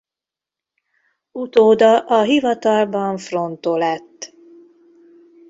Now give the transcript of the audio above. Utóda a hivatalban Fronto lett.